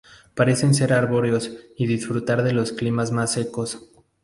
Parecen ser arbóreos y disfrutar de los climas más secos.